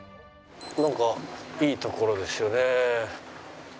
なんかいい所ですよね。